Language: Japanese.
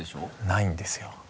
ないんですよ。えっ？